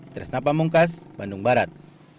tersenapa mungkas bandung barat